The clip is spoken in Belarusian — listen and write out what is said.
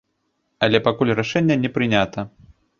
Але пакуль рашэнне не прынята.